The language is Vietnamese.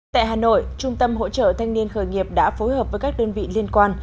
tại hà nội trung tâm hỗ trợ thanh niên khởi nghiệp đã phối hợp với các đơn vị liên quan